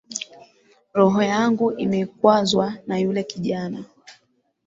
Roho yangu imekwazwa na yule kijana